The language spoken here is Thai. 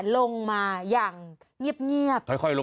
ลงมาอย่างเงียบ